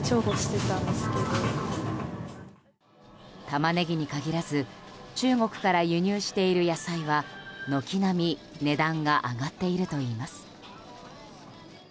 タマネギに限らず中国から輸入している野菜は軒並み値段が上がっているといいます。